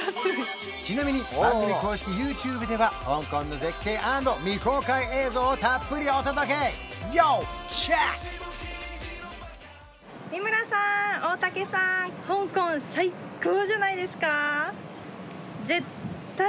ちなみに番組公式ＹｏｕＴｕｂｅでは香港の絶景＆未公開映像をたっぷりお届け要チェック！